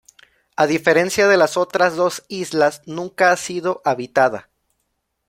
A diferencia de las otras dos islas, nunca ha sido habitada.